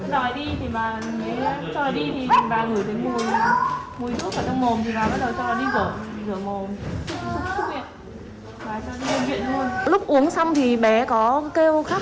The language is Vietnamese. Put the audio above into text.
bà đi chợ thì bà thấy nó nói đi thì bà cho đi thì bà ngửi thấy mùi thuốc ở trong mồm thì bà bắt đầu cho nó đi rửa mồm rửa nguyện bà cho nó đi nguyện luôn